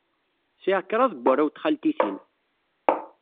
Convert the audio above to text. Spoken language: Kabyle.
Sɛiɣ kraḍ warraw n txaltitin.